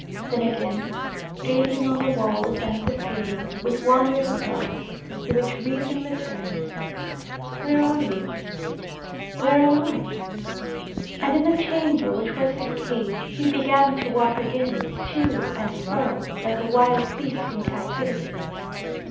Then again, gazing on the walls and the ceiling, with wandering thoughts, through which reason returned. "Where are you? Where am I?" And in the chamber which was his cage he began to walk again, to and fro, like a wild beast in captivity.